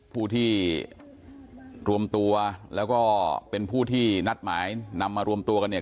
ผู้ที่รวมตัวแล้วก็เป็นผู้ที่นัดหมายนำมารวมตัวกันเนี่ย